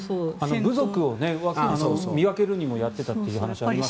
部族を見分けるためもやっていたという話もありますよね。